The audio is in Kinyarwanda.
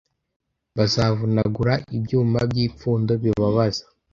bazavunagura ibyuma by'ipfundo bibabaza